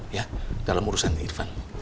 ya dalam urusan irfan